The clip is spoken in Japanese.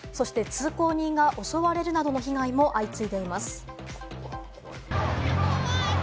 通行人が襲われるなどの被害も相次いでいます。